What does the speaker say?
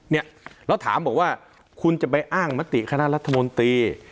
เนี่ยแล้วถามบอกว่าคุณจะไปอ้างมติคณะรัฐมนตรี